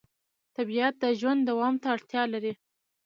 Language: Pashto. طبیعت د ژوند دوام ته اړتیا لري